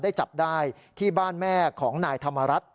จับได้ที่บ้านแม่ของนายธรรมรัฐ